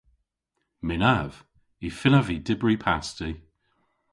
Mynnav. Y fynnav vy dybri pasti.